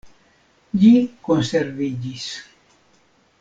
Ĝi konserviĝis.